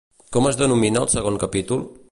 Com es denomina el segon capítol?